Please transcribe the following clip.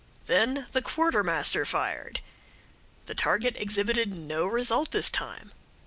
Then the Quartermaster fired. The target exhibited no result this time.